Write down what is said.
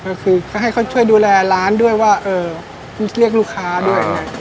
ก็คือก็ให้เขาช่วยดูแลร้านด้วยว่าเออเรียกลูกค้าด้วย